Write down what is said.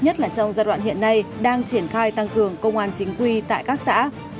nhất là trong giai đoạn hiện nay đang triển khai tăng cường công an chính quy tại các xã